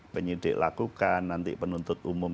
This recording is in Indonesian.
penyidik lakukan nanti penuntut umum